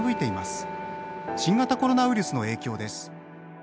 新型コロナウイルスの影響です